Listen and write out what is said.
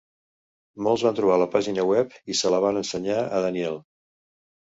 Molts van trobar la pàgina web i se la van ensenyar a Daniel.